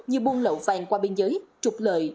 như buôn lậu vàng qua biên giới trục lợi